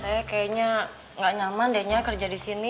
saya kayaknya gak nyaman dehnya kerja di sini